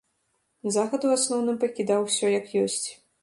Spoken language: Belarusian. Захад у асноўным пакідаў усё як ёсць.